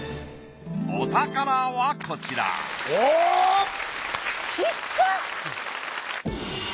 お宝はこちらおっ！